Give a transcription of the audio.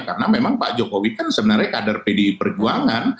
karena memang pak jokowi kan sebenarnya kader pdi perjuangan